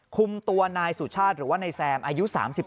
คุมตัวนายสุชาติหรือว่านายแซมอายุ๓๙